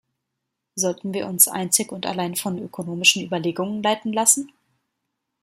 Sollten wir uns einzig und allein von ökonomischen Überlegungen leiten lassen?